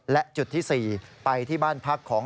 และจุดที่๔ไปที่บ้านพักของ